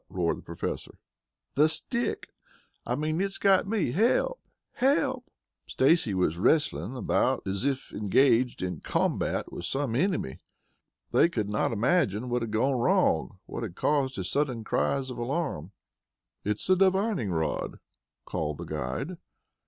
roared the Professor. "The stick! I mean it's got me. Help! Help!" Stacy was wrestling about as if engaged in combat with some enemy. They could not imagine what had gone wrong what had caused his sudden cries of alarm. "It's the divining rod!" called the guide.